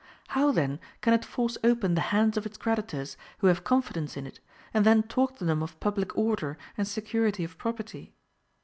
How, then, can it force open the hands of its creditors, who have confidence in it, and then talk to them of public order and security of property?